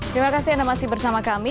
terima kasih anda masih bersama kami